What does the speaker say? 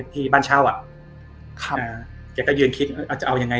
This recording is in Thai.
ที่บ้านเช่าอ่ะครับอ่าแกก็ยืนคิดเอาจะเอายังไง